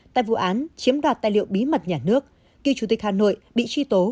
tại vụ án chiếm đoạt tài liệu bí mật nhà nước cựu chủ tịch hà nội bị tri tố